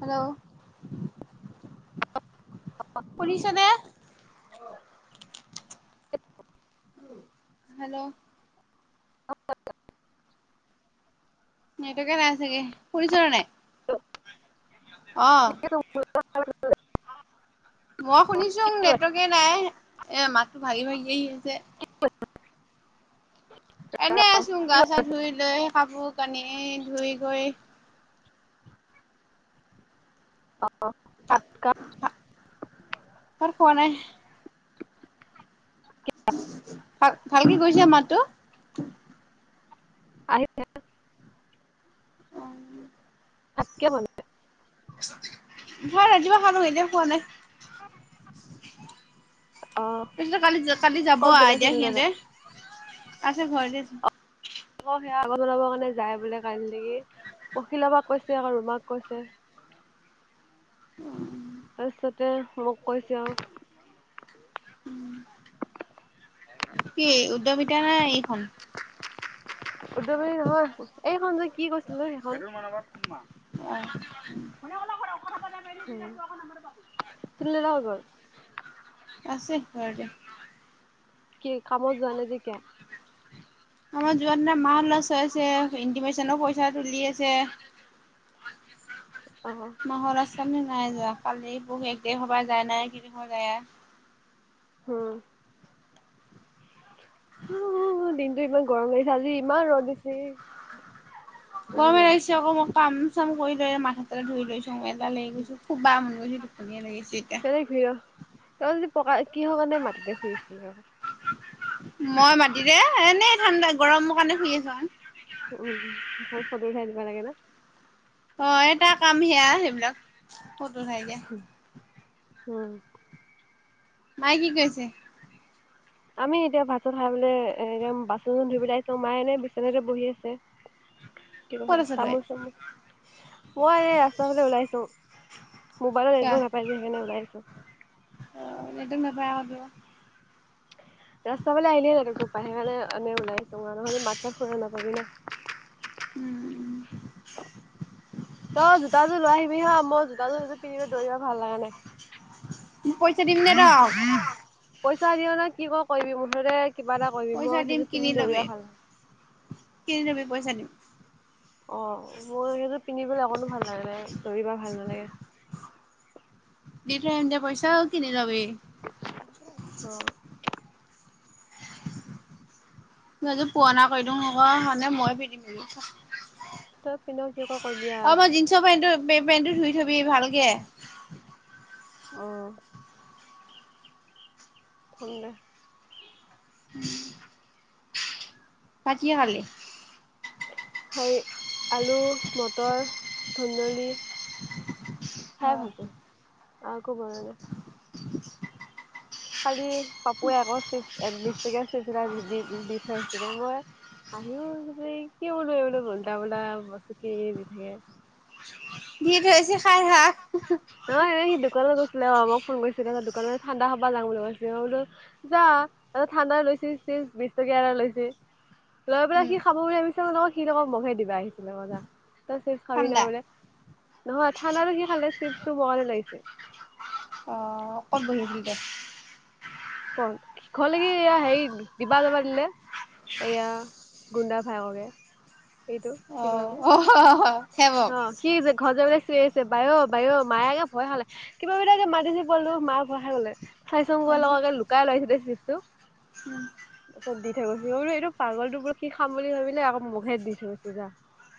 Hello পুলিছনে hello অ এইটোকে নাই চাগে ফুৰিছৰ নাই অ', [unintelligible] মই শুনিছো নেটকে নাই এ মাতো ভাগি ভাগি আহি আছে [inaudible] এনে আছোন গা চা ধুই লৈ খাপোৰ কানি ধুই গৈ অ, কাতকা ভাত খোৱা নাই। ভাল, ভালকে কৰিছো মাতটো। আহিছে। তাকে বলে ভাল ৰাতিপুৱা খালো এতিয়া খোৱা নাই। [unintelligible] অ' তাৰপিছত কালি, কালি যাব ক'ত গ'লে এতিয়া চুনদাদা সিহঁতে আছে ঘৰতে। আকৌ সেয়া আগত জনাবৰ কাৰণে যায় বোলে কাল নেকি অখিলৰপাক কৈছে আকৌ ৰুমাক কৈছে। উম। তাৰপিছতে মোক কৈছে আৰু। উম। কি উদ্যমিতা নাই এইখন। উওদয়বাৰী নহয় এইখন যে কি কৈছিলো সেইখনত অ'। চিল হৈ গ'ল। আছে ঘৰতে। কি কামত যোৱা নে যেতিয়া আমাৰ যোৱা দিনা মাহ লছ হৈ আছে, ইণ্টিমেশ্যন পইচা তুলি আছে। [unintelligible] অ'। মাহৰ আচ্ৰমী নাই যোৱা কালি বহু এক দে সবা যায় নাই কদ যায়। উম। উ, দিনটো ইমান গৰম গিছে আজি ইমান ৰ'দ দিছে। বহুত গৰমে ৰ'দ দিছে লাগিছে আকৌ মই কাম, চাম কৰি লৈ মাক হতে ধুই লৈছো মই এডাল লাগি গৈছো। খুবা মনগৈছি দুটোখনীয়া লাগিছিল। হেই ঘূত যদি পকা কিহৰ কাৰণে মাটিতে শুই আছিল অ'। মই মাতি দে এনেই ঠাণ্ডা গৰমৰ কাৰণে শুই আছো। উম, সেইখন ফটো উঠাই দিবা লাগে ন। অ, এটা কাম সেয়া সেইবিলাক কটোঠাইকে হয়। মায়ে কি কৈছে? আমি এতিয়া ভাত চ, খাই বলৈ এদয়া বাচন চন ধুৰিবলৈ আহিছো মায়ে এনে বিচনাতে বহি আছে। ক'ত কিবা আছ তই তামোল, চামোল মই এই ৰাস্তা ফালে ওলাইছো মোবাইলত চোৱা নেটৰ নাপাইছ সেইকাৰণে ওলাই আছো। অ, এদ ন ভয় হিব ৰাস্তালে আহিলে তোপাই সেইকাৰণে এনে ওলাইছোঁ আৰু নহ'লে মাতছ খুৰা নাপাবিন। উম, উম। তই জোৰ লৈ আহিবি হ মই জোতাযোৰ পিন্ধিবি দৌৰিব ভাল লগা পইচা দিম দে নাই। তক পইচা দিয় ন, কি, ক, কি মুঠতে কিবা এটা কৰিবি মই সেইোৰ পিন্ধি দৰিয়া হাল আৰু। কনে যাবি পইচা দিম। অ, মোৰ সেইটো পিন্ধিবলৈ অকনো ভাল নাগে নাই দৌৰিবা ভাল নালাগে। দিট এনজ পইচা কিনি যাবি। [inaudible] মই পুৱনা কৰি দি আকানে ময় পিন্ধিম এ। তই পিন্ধ কি, ক, কবি আৰু। পেটো, পেটো ধুই থবি ভালকে। অ থংে পতিে ভালে হেই আলু মটৰ ধন্দলী হে অ ভাগে আক বনাই খালি কাপুৱে আকৌ চিপ চিপ এটা দি দি দি থৈছিলগৈ হাঁহিও কিয় বোলো বোলে উল্টা বোলা বচু কি দি থাকে দি থৈছে খাৰ শাক অ এই সি দোকানলৈ গৈছিলে অ মোক ফোন কৰিছিলে ত দোকানত ঠাণ্ডা খাবা যা বুলি কৈছিল অো যা ত ঠাণ্ডা লৈছে চ বিশ টকীয়া এৰা লৈছে লৈ পেলাই উম সি খাব বুলি আাবিছিল নহ সি তক মহে দিবা আহিছিলে মজা তই চিপছ খাবি না ঠাণ্ডা বোলে নহয় ঠাণ্ডাো কি খালে চিপছটো বগালে লাগিছে অ কত বনোন দে খ খ'ল কি হেই দিবা দবাৰ দিলে এয়া গুণ্ডা ভাইগে অ অ সেইবোক অ সি যে ঘৰ যলৈ চিঞ আহ আছে বায়' বায়' মায়েগে ভয় হালে কিবাবিটাকে মাতিছে পলটো মাক ভৰা খাই বলে চাই চং লগে লুকাই লৰাাইছিলে চিপটো উম তাৰিছত দি থৈ গৈি ব এইটো পাৰাগলটো বো কি খাম বুলি ভাবিলে আকৌ মে দি থৈ গৈছে যা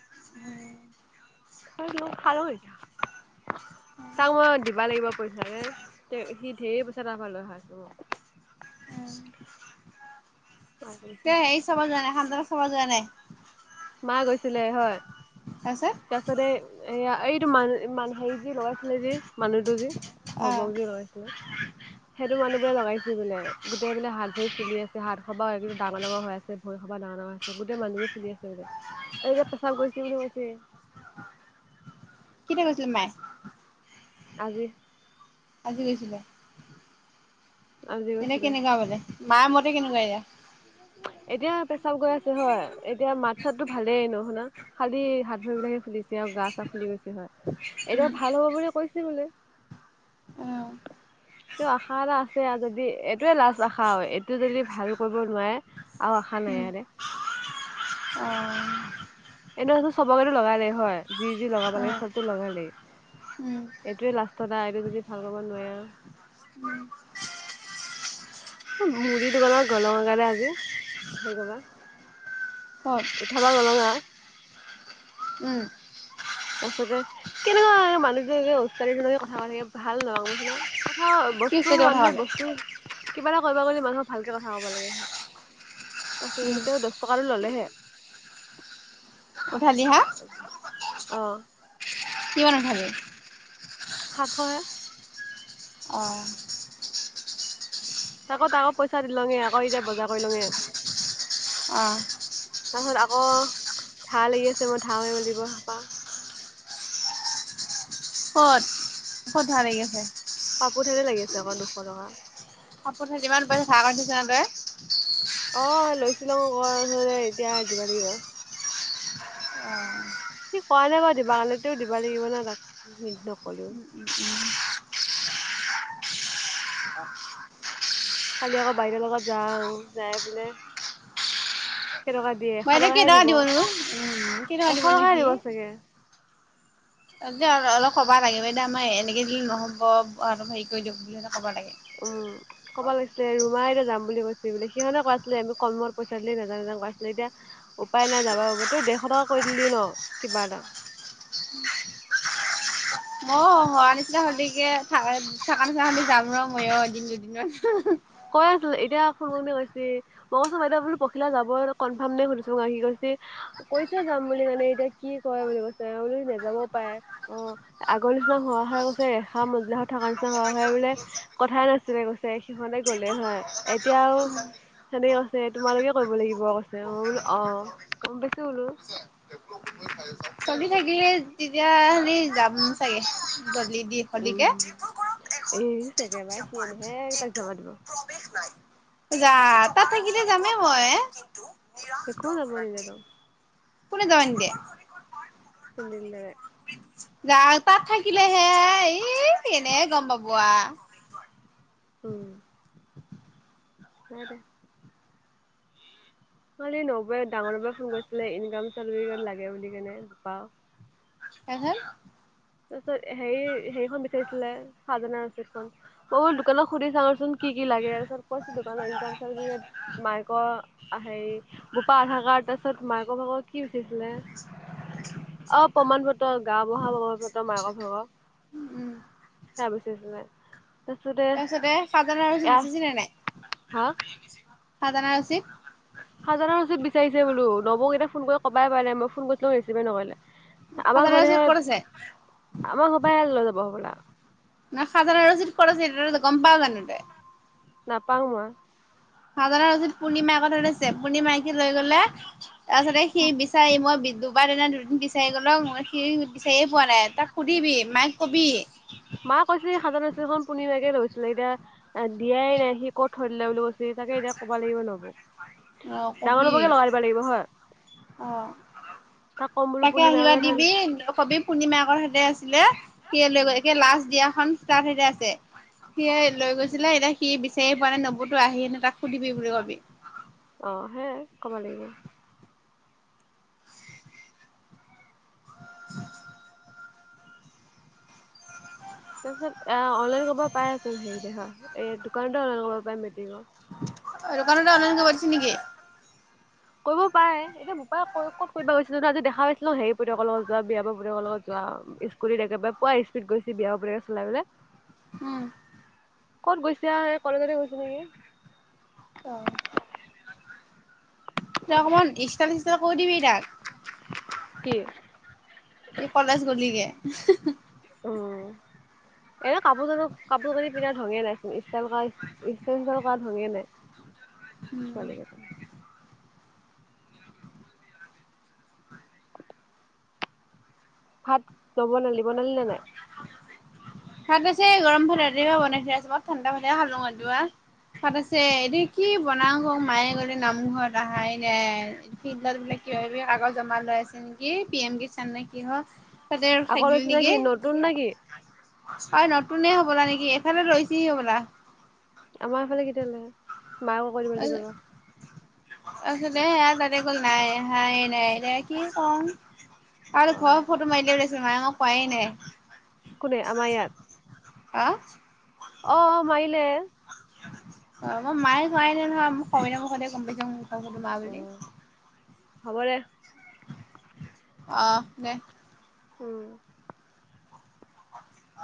উ খালোতিা তাক মই দিবা লাগিব পইচা নে তে সি ঢেৰ পইচা তাৰ পৰা লৈ আহা আছো অ মায়ে কৈছে। তে হেৰি চাব যোৱা নাই সানদা চাব যোৱা নাই মা গৈছিলে হয় তাৰপিছত তাৰপিছতে এইয়া এইটো মানুহ হেৰি যি লগাইছিলে যেি মানুহটো যি অ ভৱক যি লগাইছিলে সেইটো মানুহ বোৰে লগাইছে বোলে গোটেই বোলে হাত ভ ফুলি আছে হাত সবা ডাঙৰ ডাঙৰ আ ভৰি খবা ডাঙৰ ডাঙৰ হৈছে গোটেই মানুহী ফুলি আছে বো ত এতিয়া পেচাব গৈছে বুলি কৈছে কেতিয়া কৈছিল মায়ে আগে আজি গৈছিলে আজি এনে গৈছিলে কেনেকুৱা বোলে মায় মতে কেনেকুৱা এতিয়া এতিয়া পেচাব গৈ আছে হয় এতিয়া মাত চাতটো ভালেই নো শুনা খালি হাত ভৰি বিলাকে ফুলিছে আৰু গা চা ফুলি গৈছে হয় এতিয়া ভাল হ'ব বুলি কৈছে বোলে অ তটো আশা এটা আছে যদি এইটোয়ে লাজ আশা হয় টো যদি ভাল কৰিব উম নোৱাৰে অ এনে চবকো লগাল লেইে হয় যি যি লগাব লাগে চবতো লগাল লেই উম এইটোয়ে লাষ্টতটা এইটো যদি ভাল ক নোৱাৰা উম মুদ দোকানত গলৰ কাৰণে আজি হে কবা ক'ত [unintelligible] উম তাৰ পাছতে কেনেকুৱা মানুহটোে ওিকে কথা পাতিাকে ভাল নহ মইচিনা কথা কি বস্তু কেতিয়া মানুহে উঠাব বস্তুৱ কিবা এটা কা গলে মানুহক ভালকে কথা কব লাগে হয় তাৰ উম পিছত তেওঁ দহ টকাটো ললেহে উঠালি হা অহ কিয়মান ভাবে সাতশ অ তাকো আকৌ পইচা দি লঙে আকৌ এতিয়া বজাৰ কৰি লঙে অঁ তাৰ পাছত আকৌ ঘাঁ লাগি আছে মই ঘাঁ মেলিব পাওঁ কত কত ভাল লাগিছে পাপো হালতে লাগিছে আকৌ দুশ টকা কাপোৰে যিমান পইচা চাহ কৰি উঠিছ ন তই অ লৈছিলও আক ওচ এতিয়া দিব লাগিব কি কৰা নাই বাৰু দিবা কাৰণে তেও দিবা লাগিব ন তাক নকলেও উম উম উম খালি আকৌ বাহিৰৰ লগত যা যাই বোলে কেইটকা দিয়ে এশ মই এইটো টকাহে কেইটকা দিব দিবনো উম কেইটকা এশ দিবনো টকাহে সি দিব চাগে অলপ কবা লাগে বাইদে আমাৰ এনেকে য নহ'ব আৰুলপ হেৰি কৰি দিয়ক বুলিহলে কব লাগে অঁ ক'ব লাগিছিলে ৰুমাই এতে যাম বুলি কৈছে বোলে সিহনে কৈছিলে আমি কমত পইচা দিলে নাজানাজান ক আছিলে এতিয়া উপায় নাই যাবা প তই দেেৰশ টকা কৰি দিলি ন কিবা এটা মই হোৱা নিচিনা হধকে থ থকা নিচিনা হ যাম ৰ ময়ো এদিন দুদিনত কৈ আছিল এতিয়া ফোন মনে কৈছে মই কৈছো বাইদেউ আপোনী পখিলা যাব কনফাৰ্ম নাই শুনিছো ম আহি গৈছে কৈ থ যাম বুলি মানে এতিয়া কি ক বুলি কৈছেল নাযাবও পাৰে অ আগৰ নিচিনা হোৱা হাই কৈছে ৰেখা মজলা হ থকাৰ নিচিনা হোৱা খাই বোলে কথাই নাছিলে কৈছে সিহঁতে গ'লেই হয় এতিয়াও সেনেকে কৈছে তোমালোকে কৰিব লাগিব কৈছে মই বোলো অ কম বেছি বোলো চলি থাকিলে তেতিয়া হ যাম চাগে জলি দি হলিকে এ চেগেবাৰ সি আনিহে তাক জমা দিব যা তাত থাকিলে যামেই মই কিন্তু নিজ একো যাব দৰ্শন্থ নিদিয়ে তাক কুনে যৱ দিয় চিন্দিলৰে গা তাত থাকিলেহে এই কেনে গম পাব আ উম হয় দে খালি নব ডাঙৰ ফোন কৰিছিলে ইনক চাৰ্টি লাগে বুলি কেনে নাও এনে তাৰপিছত হে হেৰিখন বিচাৰিছিলে সাজানা আছেিতখন। অই দোকানত সুধি চা চোন কি লাগে তাৰপিছ কৈছো দোকানৰনক নিকাম মাইকৰ হেৰি বোপা আধাৰ কাৰ তাৰপছত মাইক বাক কি বিচাৰছিলে? অ' প্ৰমাণ পত্ৰ গা বুঢ়া প্ৰমাণ পত্ৰ। একদম মাকৰ ভগৱ উম সেয়া বুচি আছিলে। তাৰপিছতে সাজান আৰু জিল এয়া জনে নাই? হা? সাজানাই ৰচত। হাজাৰৰ ৰচত বিচাৰিছে বোলো নবক এটা ফোন কৰি কবাই পাৰ নে মই ফোন কৰিছিলো ৰিচিভে নকৰিলে। আমাৰ খাজানা ঘৰ ৰচিদ ক'ত আছে আমাৰ ঘৰৰ পৰা লৈ যাব হবলা। খাজনা ৰচিত কত আছিল গম পাও জানো তই? নাপাম মই। খাজনা চিত পূৰ্ণিমাৰাকত ছে পূৰ্ণিমাইকি লৈ গলে তাৰপিছতে সি বিচাৰি মই দুবাৰ দিনা দুদিন বিচাৰি গ'লও মই সি বিচাৰিয়ে পোৱা নাই তাক সুধিবি মাকে কবি মা কৈছিল সাজাৰখন পুন এাকে লৈছিলে এতিয়া দিয়াই নাই সি ক'ত থৈ দিলে বুলি কৈছে, তাকে এতিয়া ক'ব লাগিব, নহব। অ ডাঙৰ কবি নবৌকে লগাই দিব লাগিব হয়। অ'। তাক ক'ম বোলো তাকে আহিবা পূৰ্ণিমাকে থৈ দিবি কবি পূৰ্ণিমাকৰ সতে আছিলে। সেয়ে লৈ গৈ এয়া লাষ্ট দিয়াখনন ষ্টাৰ্ট আছে সিয়ে লৈ গৈছিলে এতিয়া সি বিচাৰিয়ে পোৱা নে নবুতো আহি নে তাক সুধিবি বুলি কবি। অ' সে ক'ব লাগিব। [unintelligible] তাৰপিছত এ অনলাইন কৰিব পাৰে চোন হেৰিতে হয় এই দোকানতে অনলাইন কৰিব পাৰে মেট্ৰিকৰ। দোকানতে অ'নলাইন কৰিব দিছে নেকি? কৰিব পাৰে এতিয়া বোপায়ে ক'ত কৰিব গৈছিল নো আজি দেখা পাইছিলো হেৰি পুতেয়কৰ লগত যোৱা বিৰাজৰ পুতেযকৰ লগ যোৱা। স্কুটিতত একেবাৰে পুৱ স্পীডত গৈছে বিৰাজৰ পুতেকে চলাই গৈছে। উম। ক'ত গৈছে আৰু, কলেজতে গৈছ নেকি? অ'। ত' অকমান ষ্টাইল চিষ্টাইল কৰি দিবি তাক। কি? সি কলেজ গ'ল গতিকে। উম' এনে কাপোৰ চানো কাপোৰ কানি পিন্ধাৰ ঢঙেই নাই চোন ষ্টাইল ষ্টাইল ক'ৰা ঢঙেই নাই। উম। পোৱালিকেইটা। [unintelligible] ভাত নবনালি বনালিনে নাই? ভাত আছে গৰম ভাত ৰাতিপুৱা বনাই থোৱা আছে, মই ঠাণ্ডা ভাতে খালো এটো আৰু। ভাত আছেই কি বনাওঁ মায়ে গ'লে নামঘৰত আহাই নাই ফিল্ডত বোলে কিবা কিবি এই কাগজ জমা লৈ আছে। নেকি পি এম কি চান নে কিহ আকৌ লৈছে নে কি নতুন নেকি? হয় নতুনে হ'বলা নেকি এফালে লৈছেহি হ'বলা। আমাৰ এইফালে কেতিয়া ললে, মাযো কৰি দিবলৈ দিব ৰ। তাৰ পিছতে এইয়া তাতে গ'ল নাইয়ে অহা অহাই নাই, এটিয়া কি কৰো। আৰু অ', ঘৰৰ ফটো মাৰিলে বুলি কৈছে, মায়ে আকৌ কোৱাই নাই। কোনে আমাৰ ইয়াত? হা'। অ', অ' মাৰিলে। অ মই মায়ে কৰাৱাই না [unintelligible] ই নহয় মোক কনা মুখতে গম পাই যা ম সুধো মা বুলি অ', হ'ব দে। অ', দে। উম। [unintelligible]